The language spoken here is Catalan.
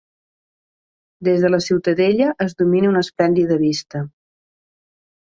Des de la ciutadella es domina una esplèndida vista.